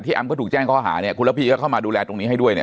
แอมก็ถูกแจ้งข้อหาเนี่ยคุณระพีก็เข้ามาดูแลตรงนี้ให้ด้วยเนี่ย